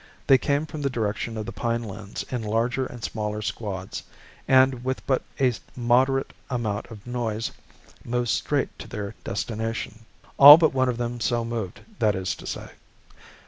They came from the direction of the pine lands in larger and smaller squads, and with but a moderate amount of noise moved straight to their destination. All but one of them so moved, that is to say.